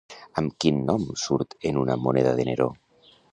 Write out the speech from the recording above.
Amb quin nom surt en una moneda de Neró?